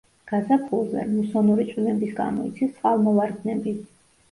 გაზაფხულზე, მუსონური წვიმების გამო, იცის წყალმოვარდნები.